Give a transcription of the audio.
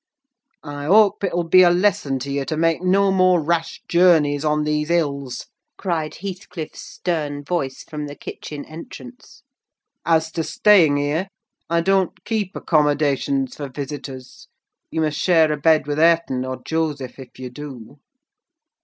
"I hope it will be a lesson to you to make no more rash journeys on these hills," cried Heathcliff's stern voice from the kitchen entrance. "As to staying here, I don't keep accommodations for visitors: you must share a bed with Hareton or Joseph, if you do."